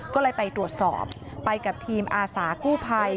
ก็เลยไปตรวจสอบไปกับทีมอาสากู้ภัย